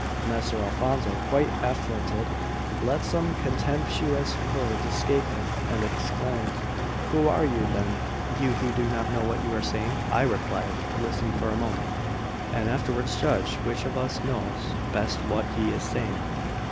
Messer Alfonso, quite affronted, let some contemptuous words escape him, and exclaimed: "Who are you, then, you who do not know what you are saying?" I replied: "Listen for a moment, and afterwards judge which of us knows best what he is saying."